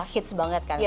hits banget kan